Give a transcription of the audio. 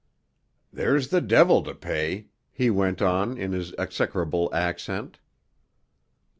"There's the devil to pay!" he went on in his execrable accent.